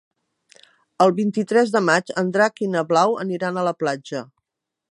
El vint-i-tres de maig en Drac i na Blau aniran a la platja.